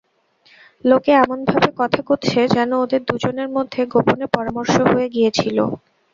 লোকে এমনভাবে কথা কচ্ছে যেন ওদের দুজনের মধ্যে গোপনে পরামর্শ হয়ে গিয়েছিল।